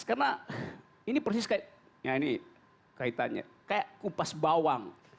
karena ini persis kayak kupas bawang